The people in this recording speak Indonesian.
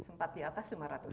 sempat di atas lima ratus